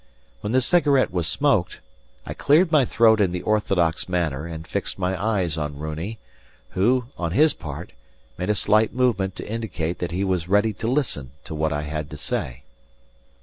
When the cigarette was smoked, I cleared my throat in the orthodox manner and fixed my eyes on Runi, who, on his part, made a slight movement to indicate that he was ready to listen to what I had to say.